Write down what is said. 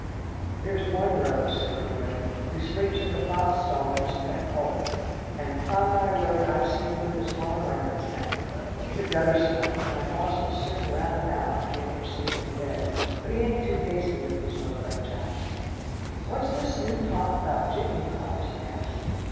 "There's one rogue," said Gringo, "who sleeps in the boxstall with his pet colt, and 'pon my word, I've seen him with his arm round its neck. He's a guttersnipe, and my boss will soon rout him out and make him sleep in a bed, but he ain't too hasty with these low life chaps." "What's this new talk about jitney cars?" I asked.